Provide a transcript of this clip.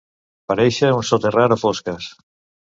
Parèixer un soterrar a fosques.